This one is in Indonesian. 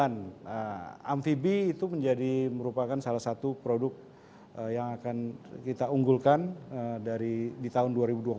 n dua ratus sembilan belas amphibie itu menjadi merupakan salah satu produk yang akan kita unggulkan di tahun dua ribu dua puluh